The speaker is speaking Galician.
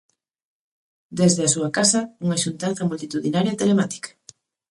Desde a súa casa, unha xuntanza multitudinaria telemática.